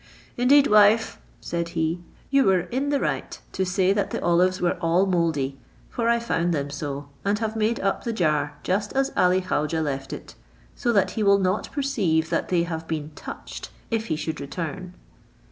"Indeed, wife," said he, "you were in the right to say that the olives were all mouldy; for I found them so, and have made up the jar just as Ali Khaujeh left it; so that he will not perceive that they have been touched, if he should return."